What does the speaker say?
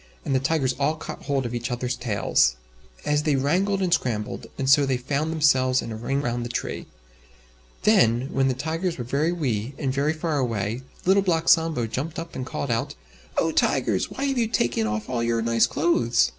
And the Tigers all caught hold of each others' tails. As they wrangled and scrambled, and so they found themselves in a ring around the tree. Then, when the Tigers were very wee and very far away, Little Black Sambo jumped up and called out, "Oh! Tigers! why have you taken off all your nice clothes?